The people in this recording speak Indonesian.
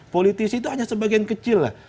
politisi itu hanya sebagian kecil lah